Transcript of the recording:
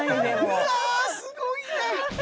うわすごいな。